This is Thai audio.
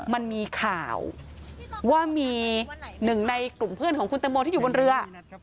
มันมีข่าวว่ามีหนึ่งในกลุ่มเพื่อนของคุณตังโมที่อยู่บนเรือ